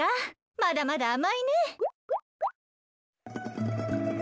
まだまだあまいね！